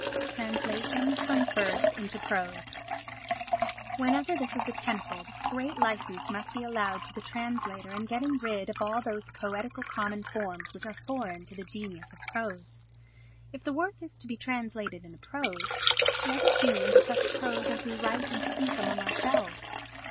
Translations from Verse into Prose Whenever this is attempted, great licence must be allowed to the translator in getting rid of all those poetical common forms which are foreign to the genius of prose. If the work is to be translated into prose, let it be into such prose as we write and speak among ourselves.